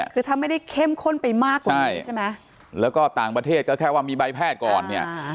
คือถ้าไม่ได้เข้มข้นไปมากกว่านี้ใช่ไหมแล้วก็ต่างประเทศก็แค่ว่ามีใบแพทย์ก่อนเนี่ย